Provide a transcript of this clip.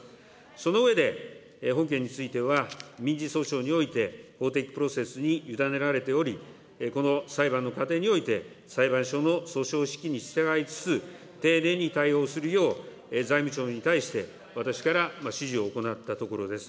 その上で、本件については、民事訴訟において、法的プロセスに委ねられており、この裁判の過程において、裁判所の訴訟指揮に従いつつ、丁寧に対応するよう、財務省に対して、私から指示を行ったところです。